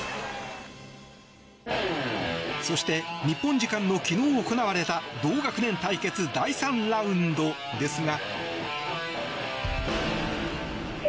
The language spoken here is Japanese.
そして、日本時間の昨日行われた同学年対決第３ラウンドですが。